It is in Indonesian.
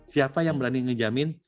siapa yang berani ngejamin